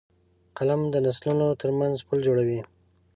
قلم د نسلونو ترمنځ پُل جوړوي